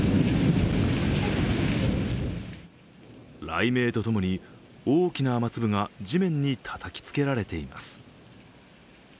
雷鳴と共に大きな雨粒が地面にたたきつけられています。